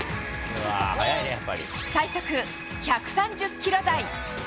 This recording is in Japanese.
最速１３０キロ台。